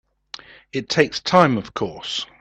It takes time of course.